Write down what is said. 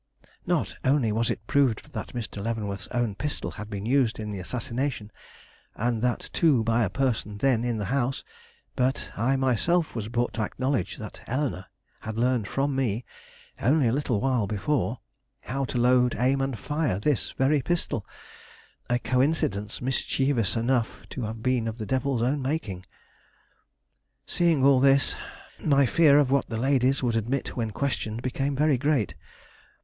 Not only was it proved that Mr. Leavenworth's own pistol had been used in the assassination, and that too by a person then in the house, but I myself was brought to acknowledge that Eleanore had learned from me, only a little while before, how to load, aim, and fire this very pistol a coincidence mischievous enough to have been of the devil's own making. Seeing all this, my fear of what the ladies would admit when questioned became very great.